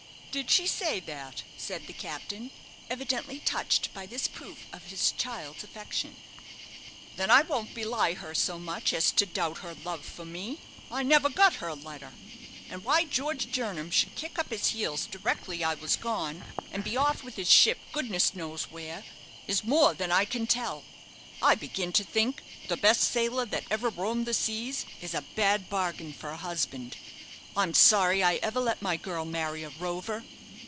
'" "Did she say that?" said the captain, evidently touched by this proof of his child's affection. "Then I won't belie her so much as to doubt her love for me. I never got her letter; and why George Jernam should kick up his heels directly I was gone, and be off with his ship goodness knows where, is more than I can tell. I begin to think the best sailor that ever roamed the seas is a bad bargain for a husband. I'm sorry I ever let my girl marry a rover.